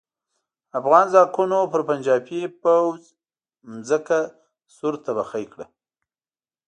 افغان ځواکونو پر پنجاپي پوځ ځمکه سور تبخی کړه.